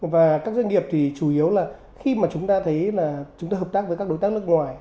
và các doanh nghiệp thì chủ yếu là khi mà chúng ta thấy là chúng ta hợp tác với các đối tác nước ngoài